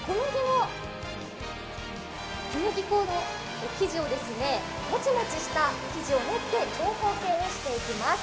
小麦粉のもちもちした生地を練って長方形にしていきます。